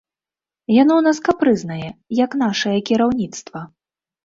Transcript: Яно ў нас капрызнае, як нашае кіраўніцтва.